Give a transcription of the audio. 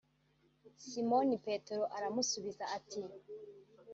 » Simoni Petero aramusubiza ati